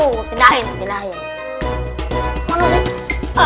udah deh pindahin